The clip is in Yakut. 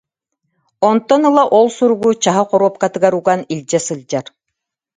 Онтон ыла ол суругу чаһы хоруопкатыгар уган илдьэ сылдьар